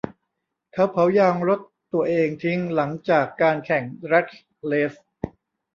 เขาเผายางรถตัวเองทิ้งหลังจากการแข่งแดร๊กเรซ